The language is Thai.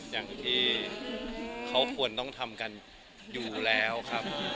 อย่างที่เขาควรต้องทำกันอยู่แล้วครับ